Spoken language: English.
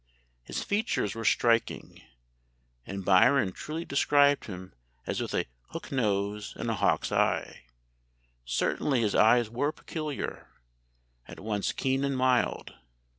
His features were striking, and Byron truly described him as 'with a hook nose and a hawk's eye.' Certainly his eyes were peculiar, at once keen and mild.